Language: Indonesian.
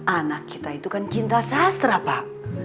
anak kita itu kan cinta sastra pak